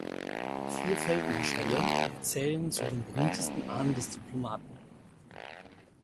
Vier Feldmarschälle zählen zu den berühmtesten Ahnen des Diplomaten.